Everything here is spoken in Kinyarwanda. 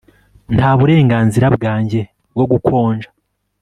Nta burenganzira bwanjye bwo gukonja